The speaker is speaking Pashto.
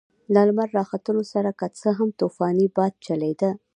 له لمر راختلو سره که څه هم طوفاني باد چلېده.